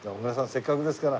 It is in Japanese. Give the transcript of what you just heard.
せっかくですから。